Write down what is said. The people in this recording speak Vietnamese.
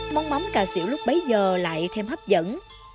món mắm cà xỉu lúc bấy giờ lại thêm hấp dẫn